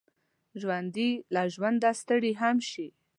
ژوندي له ژونده ستړي هم شي